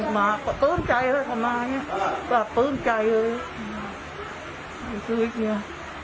หมาปื้นใจเลยค่ะหมาเนี้ยก็ว่าปื้นใจเลย